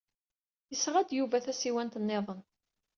Yesɣa-d Yuba tasiwant niḍen.